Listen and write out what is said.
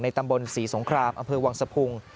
ตำบลศรีสงครามอำเภอวังสะพุง